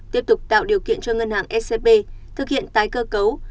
tiếp tục tạo điều kiện cho ngân hàng scb thực hiện tái cơ cấu